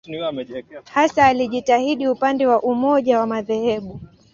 Hasa alijitahidi upande wa umoja wa madhehebu.